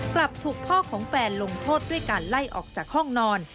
กลับถูกพ่อของแฟนลงโทษด้วยการไล่ออกจากห้องนอน